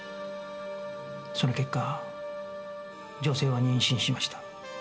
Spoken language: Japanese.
その結果女性は妊娠しました。